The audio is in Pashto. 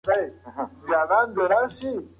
دا حرکت د لاندې پښو لپاره ډېر سخت دی.